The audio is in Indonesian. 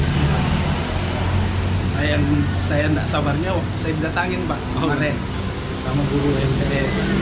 saya tidak sabarnya waktu saya datangin pak kemarin sama guru yang keras